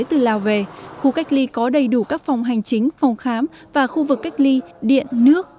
từ lào về khu cách ly có đầy đủ các phòng hành chính phòng khám và khu vực cách ly điện nước